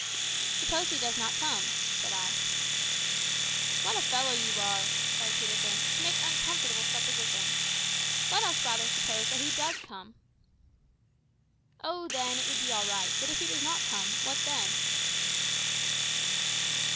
"Suppose he does not come," said I. "What a fellow you are," cried Peterkin, "to make uncomfortable suppositions! Let us rather suppose that he does come." "Oh, then, it would be all right; but if he does not come, what then?"